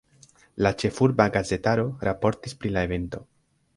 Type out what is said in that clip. La ĉefurba gazetaro raportis pri la evento.